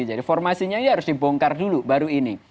jadi formasinya ya harus dibongkar dulu baru ini